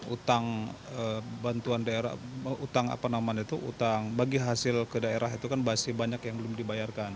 utang bantuan daerah utang apa namanya itu utang bagi hasil ke daerah itu kan masih banyak yang belum dibayarkan